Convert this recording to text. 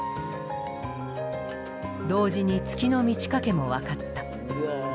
同時に月の満ち欠けも分かった。